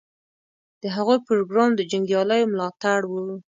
د هغوی پروګرام د جنګیالیو ملاتړ و.